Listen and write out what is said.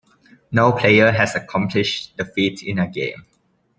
No player has accomplished the feat in a game.